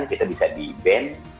kita bisa di ban